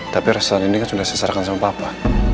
tapi restoran ini kan sudah saya serahkan sama papa